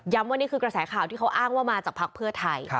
ว่านี่คือกระแสข่าวที่เขาอ้างว่ามาจากภักดิ์เพื่อไทย